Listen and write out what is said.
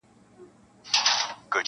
• په نصیب یې وي مېلې د جنتونو -